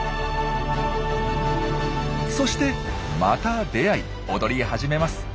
そしてまた出会い踊り始めます。